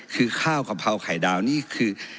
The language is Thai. คือข้าวกะเพราไข่ดาวนี่คือ